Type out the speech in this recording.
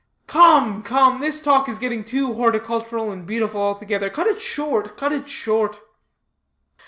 "Come, come, this talk is getting too horticultural and beautiful altogether. Cut it short, cut it short!"